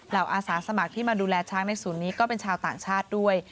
อาสาสมัครที่มาดูแลช้างในศูนย์นี้ก็เป็นชาวต่างชาติด้วย